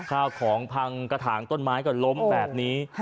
ข้าวของพังกระถางต้นไม้ก็ล้มแบบนี้